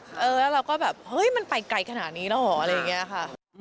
แล้วเราก็แบบมันไปไกลขนาดนี้แล้วเหรอ